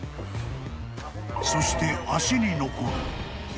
［そして足に残る］